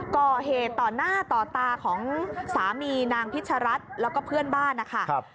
ก่อเหตุต่อหน้าต่อตาของสามีนางพิชรัฐแล้วก็เพื่อนบ้านนะคะ